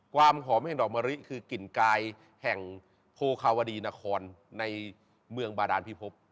ความหอมแห่งดอกมะลิคือกลิ่นกายแห่งโพคาวดีนครในเมืองบาดานพิภพ